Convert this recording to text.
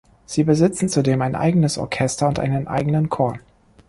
Sie besitzen zudem ein eigenes Orchester und einen eigenen Chor.